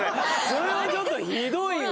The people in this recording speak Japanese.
これはちょっとひどいわ。